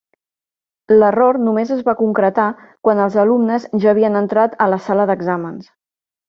L'error només es va concretar quan els alumnes ja havien entrat a la sala d'exàmens.